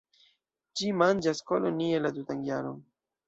Ĝi manĝas kolonie la tutan jaron.